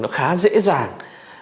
nó khá dễ dàng